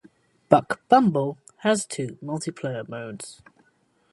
"Buck Bumble" has two multiplayer modes.